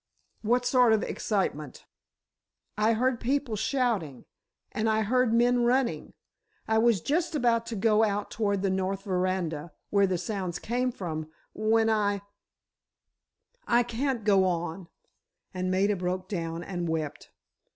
"What sort of excitement?" "I heard people shouting, and I heard men running. I was just about to go out toward the north veranda, where the sounds came from, when I—— I can't go on!" and Maida broke down and wept.